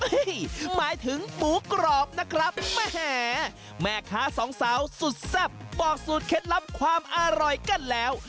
หมายถึงหมูกรอบนะครับแม่แม่ค้าสองสาวสุดแซ่บบอกสูตรเคล็ดลับความอร่อยกันแล้ว